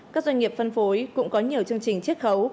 các doanh nghiệp phân phối cũng có nhiều chương trình triết khấu